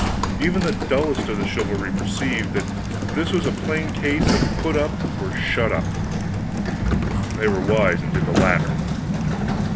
Even the dullest of the chivalry perceived that this was a plain case of "put up, or shut up." They were wise and did the latter.